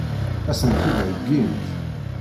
Ad sen-t-id-heggint?